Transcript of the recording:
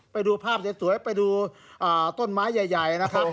ไปดูภาพสวยไปดูต้นไม้ใหญ่นะครับ